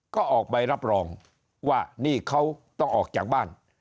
ก็ออกใบรับรองว่านี่เขาต้องออกจากบ้าน